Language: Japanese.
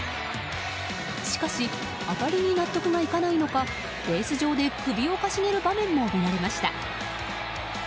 しかし当たりに納得がいかないのかベース上で首をかしげる場面も見られました。